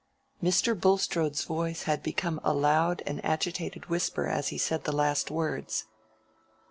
Mr. Bulstrode's voice had become a loud and agitated whisper as he said the last words.